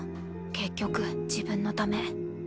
結局自分のため。